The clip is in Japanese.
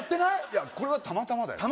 いやこれはたまたまだよ